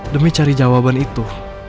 demi cari jawaban itu